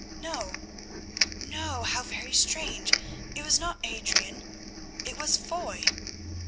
No, no, how very strange, it was not Adrian, it was Foy!